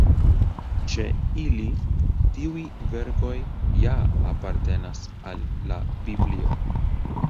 Ĉe ili tiuj verkoj ja apartenas al la Biblio.